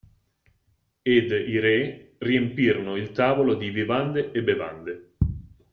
Ed i re riempirono il tavolo di vivande e bevande.